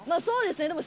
そうですね。